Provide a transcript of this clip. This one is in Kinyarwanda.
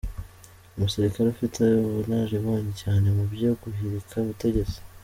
Umusirikare ufite ubunararibonye cyane mu byo guhirika ubutegetsi.